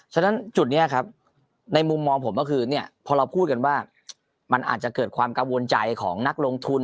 ฉะนั้นจุดนี้ครับในมุมมองผมก็คือเนี่ยพอเราพูดกันว่ามันอาจจะเกิดความกังวลใจของนักลงทุน